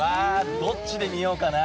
どっちで見ようかな。